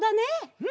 うん！